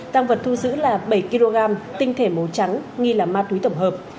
tăng vật thu giữ là bảy kg tinh thể màu trắng nghi là ma túy tổng hợp